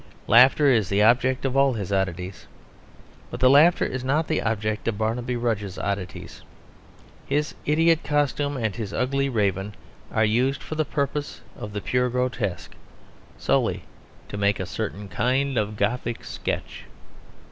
Laughter is the object of all his oddities. But laughter is not the object of Barnaby Rudge's oddities. His idiot costume and his ugly raven are used for the purpose of the pure grotesque; solely to make a certain kind of Gothic sketch.